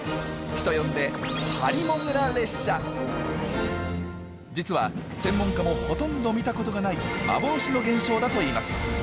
人呼んで実は専門家もほとんど見たことがない幻の現象だといいます。